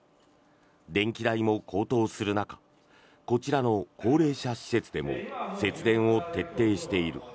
電気代も高騰する中こちらの高齢者施設でも節電を徹底している。